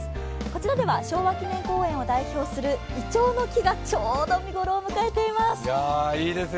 こちらでは昭和記念公園を代表するいちょうの木がちょうど見頃を迎えています。